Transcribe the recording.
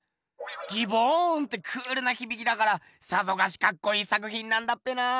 ギボーンってクールなひびきだからさぞかしかっこいい作品なんだっぺな。